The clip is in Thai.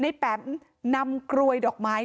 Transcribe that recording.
ในแป๊มนำกลวยดอกไม้